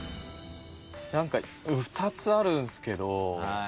何か２つあるんすけど。